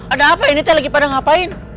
ada apa ini teh lagi pada ngapain